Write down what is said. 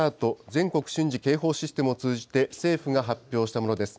・全国瞬時警報システムを通じて、政府が発表したものです。